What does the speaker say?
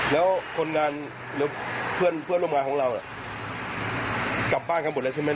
แล้วคนงานหรือเพื่อนเพื่อนร่วมงานของเรากลับบ้านกันหมดแล้วใช่ไหม